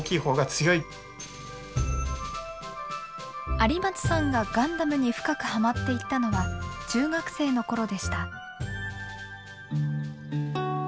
有松さんが「ガンダム」に深くハマっていったのは中学生の頃でした。